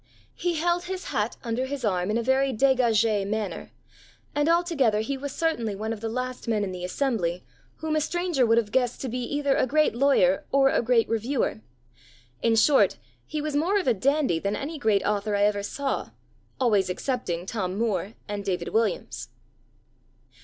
He held his hat under his arm in a very dégagée manner and altogether he was certainly one of the last men in the assembly, whom a stranger would have guessed to be either a great lawyer or a great reviewer. In short, he was more of a dandy than any great author I ever saw always excepting Tom Moore and David Williams."